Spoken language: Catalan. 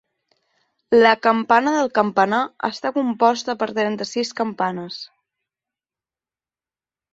La campana del campanar està composta per trenta-sis campanes.